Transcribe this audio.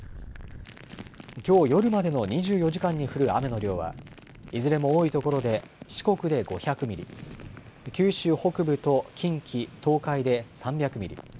きょう夜までの２４時間に降る雨の量は、いずれも多い所で四国で５００ミリ、九州北部と近畿、東海で３００ミリ。